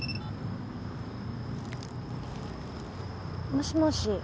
もしもし。